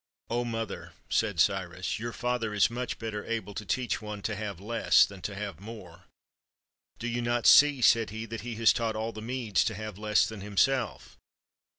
"Oh, mother," said Cyrus, "your father is much better able to teach one to have less than to have more. Do you not see," said he, " that he has taught all the Medes to have less than himself?